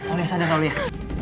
aulia sadar aulia